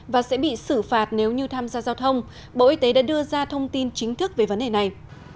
và sẽ bị xử phạt nếu như tham gia giao thông bộ y tế đã đưa ra thông tin chính thức về vấn đề này